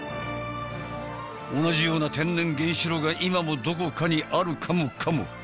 同じような天然原子炉が今もどこかにあるかもかも？